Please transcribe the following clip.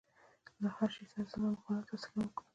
له هرشي سره ضد او مقابله تاسې کمزوري کوي